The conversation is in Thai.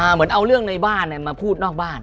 เหมือนเอาเรื่องในบ้านมาพูดนอกบ้าน